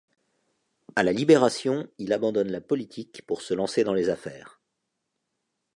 A la Libération, il abandonne la politique pour se lancer dans les affaires.